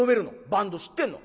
バンド知ってんの？」。